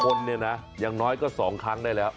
คนเนี่ยนะอย่างน้อยก็๒ครั้งได้แล้ว